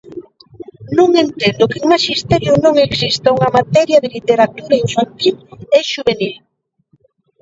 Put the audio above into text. Non entendo que en Maxisterio non exista unha materia de literatura infantil e xuvenil.